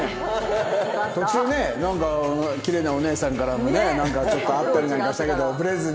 途中ねなんかキレイなお姉さんからもねちょっとあったりなんかしたけどブレずに。